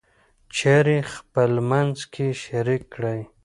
چارې خپلمنځ کې شریک کړئ.